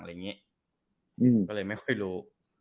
ก็เลยไม่ค่อยรู้